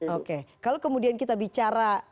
oke kalau kemudian kita bicara